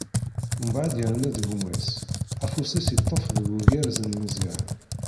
Mbeɛb, irna-d gma-s, afus-is iṭṭef deg ugerz n Meẓyan.